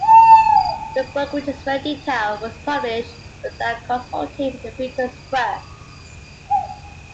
The book, which is very detailed, was published without consulting the victims first.